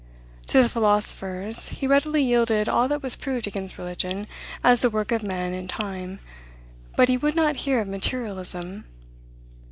To the philosophers he readily yielded all that was proved against religion as the work of men and time; but he would not hear of materialism.